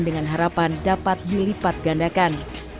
dengan harapan dapat dilipat gandakan